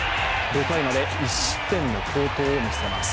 ５回まで１失点の好投を見せます